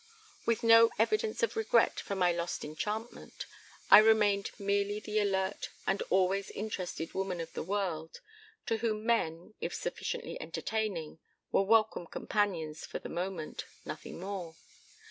With no evidence of regret for my lost enchantment I remained merely the alert and always interested woman of the world, to whom men, if sufficiently entertaining, were welcome companions for the moment, nothing more.